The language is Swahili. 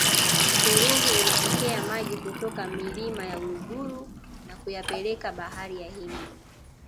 mto ruvu unapokea maji kutoka milima ya uluguru na kuyapeleka bahari ya hindi